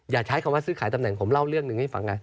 อย่าใช้คำว่าซื้อขายตำแหน่งผมเล่าเรื่องหนึ่งให้ฟังไง